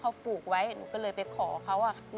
คุณหมอบอกว่าเอาไปพักฟื้นที่บ้านได้แล้ว